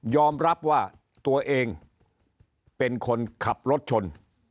รับว่าตัวเองเป็นคนขับรถชน